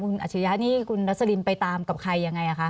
คุณอาชิริยะนี่คุณรัสลินไปตามกับใครยังไงคะ